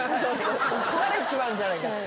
食われちまうんじゃないかって。